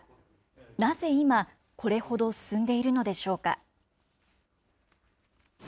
なぜ今、これほど進んでいるのでしょうか。